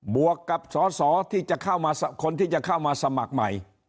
บวกกับคนที่จะเข้ามาสมัครใหม่